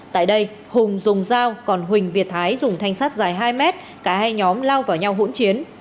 tại đây hùng dùng dao còn huỳnh việt thái dùng thanh sắt dài hai mét cả hai nhóm lao vào nhau hỗn chiến